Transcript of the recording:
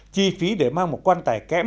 chi phí để mang một quan tài kém